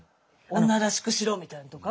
女らしくしろみたいのとか？